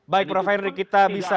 baik prof henry kita bisa